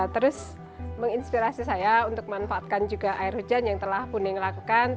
terus menginspirasi saya untuk manfaatkan juga air hujan yang telah puneng lakukan